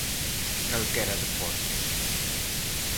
Calquera deporte.